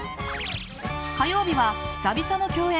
火曜日は久々の共演